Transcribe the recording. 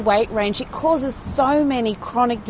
menyebabkan banyak penyakit kronik